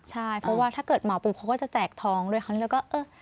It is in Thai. ใช่เพราะว่าถ้าเกิดเหมาปุ๊บเขาก็จะแจกทองด้วยคราวนี้เราก็เออ